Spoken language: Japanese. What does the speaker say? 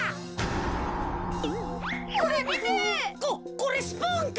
ここれスプーンか？